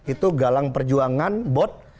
itu galang perjuangan buat